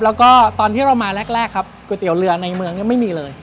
แล้วก็ตอนที่เรามาแรกครับก๋วยเตี๋ยวเรือในเมืองยังไม่มีเลย